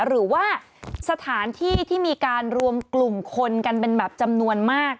หรือว่าสถานที่ที่มีการรวมกลุ่มคนกันเป็นแบบจำนวนมาก